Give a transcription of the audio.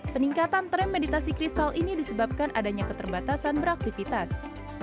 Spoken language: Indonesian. peningkatan tren meditasi kristal ini disebabkan adanya keterbatasan beraktivitas